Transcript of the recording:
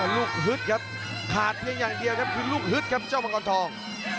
ฮึดครับขาดเพียงอย่างเดียวครับคือลูกฮึดครับเจ้ามังกรทอง